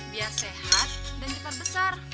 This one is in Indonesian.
biar sehat dan cepat besar